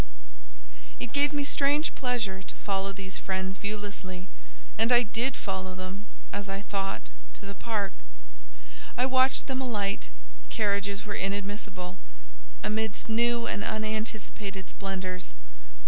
It gave me strange pleasure to follow these friends viewlessly, and I did follow them, as I thought, to the park. I watched them alight (carriages were inadmissible) amidst new and unanticipated splendours.